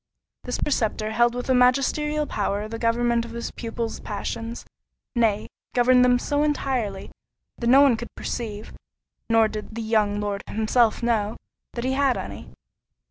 This preceptor held with a magisterial power the government of his pupil's passions; nay, governed them so entirely, that no one could perceive (nor did the young Lord himself know) that he had any.